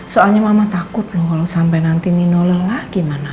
soalnya mama takut loh kalo sampe nanti nino lelah gimana